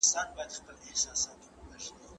هغه څوک چي لوښي وچوي منظم وي!؟